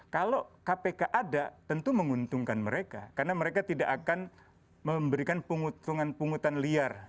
kalau kpk ada tentu menguntungkan mereka karena mereka tidak akan memberikan pengutungan pungutan liar